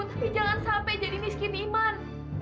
tapi jangan sampai jadi miskin iman